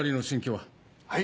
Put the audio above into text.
はい！